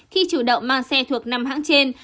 khi chủ động mang xe thuộc năm hãng trên